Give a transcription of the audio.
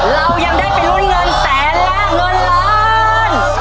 เรายังได้ไปลุ้นเงินแสนและเงินล้าน